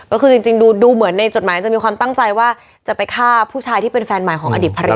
ก็คือจริงดูเหมือนในจดหมายจะมีความตั้งใจว่าจะไปฆ่าผู้ชายที่เป็นแฟนใหม่ของอดีตภรรยา